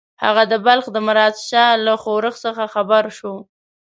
هغه د بلخ د مراد شاه له ښورښ څخه خبر شو.